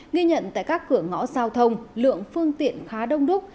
ghi nhận tại các cửa ngõ giao thông lượng phương tiện khá đông đúc